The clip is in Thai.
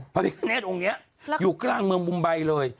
พระพิคเนธองค์นี้อยู่กลางเมืองมุมใบเลย